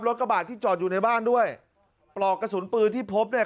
กระบาดที่จอดอยู่ในบ้านด้วยปลอกกระสุนปืนที่พบเนี่ย